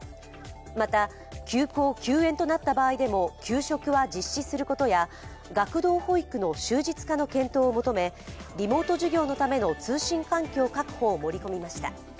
また、休校・休園となった場合でも給食は実施することや学童保育の終日化の検討を求めリモート授業のための通信環境確保を盛り込みました。